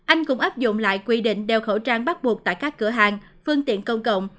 anh cũng áp dụng lại quy định đeo khẩu trang bắt buộc tại các cửa hàng phương tiện công cộng